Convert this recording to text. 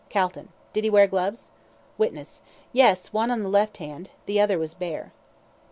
CALTON: Did he wear gloves? WITNESS: Yes, one on the left hand, the other was bare.